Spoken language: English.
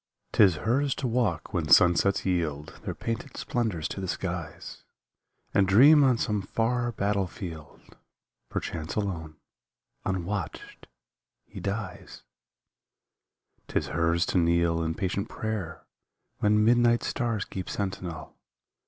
154 *Tis hers to walk when sunsets yield Their painted splendors to the skies, And dream on some far battlefield Perchance alone, unwatched, he dies; Tis hers to kneel in patient prayer When midnight stars keep sentinel.